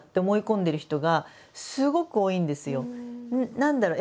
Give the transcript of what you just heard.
何だろう